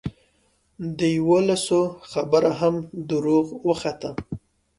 د یوولسو خبره هم دروغه وخته.